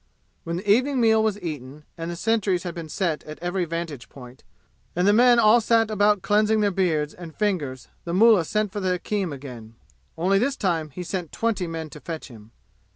When the evening meal was eaten, and sentries had been set at every vantage point, and the men all sat about cleansing their beards and fingers the mullah sent for the hakim again. Only this time he sent twenty men to fetch him.